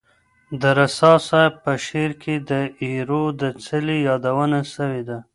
د رسا صاحب په شعر کي د ایرو د څلي یادونه سوې ده.